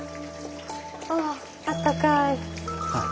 ああったかい。